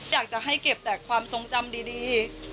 อยากจะให้เก็บแต่ความทรงจำดี